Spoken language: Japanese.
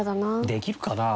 できるかな？